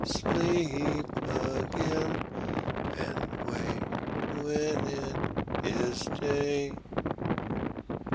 sleep again, And wake when it is day.